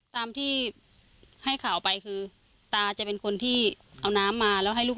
ตามที่ให้ข่าวไปคือตาจะเป็นคนที่เอาน้ำมาแล้วให้ลูก